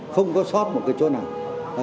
không có sót một cái chỗ nào